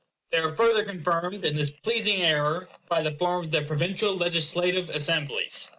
They were further confirmed in this pleasing error by the form of their provincial legislative assemblies.